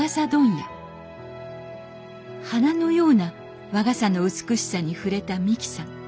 花のような和傘の美しさにふれた美紀さん。